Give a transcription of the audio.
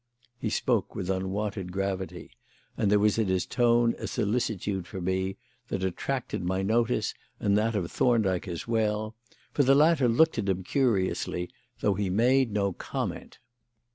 He spoke with unwonted gravity, and there was in his tone a solicitude for me that attracted my notice and that of Thorndyke as well, for the latter looked at him curiously, though he made no comment.